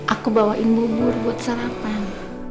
aku bawain bubur buat sarapan